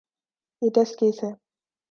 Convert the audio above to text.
یہ test case ہے۔